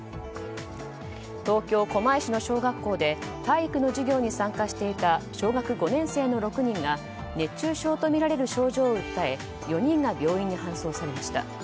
東京・狛江市の小学校で体育の授業に参加していた小学５年生の６人が熱中症とみられる症状を訴え４人が病院に搬送されました。